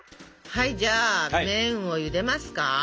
はいじゃあ麺をゆでますか。